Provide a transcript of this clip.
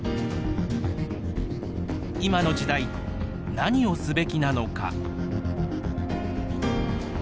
今の時代、何をすべきなのか。